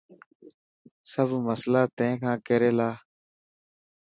سب مصلا تين کان ڪير يلا.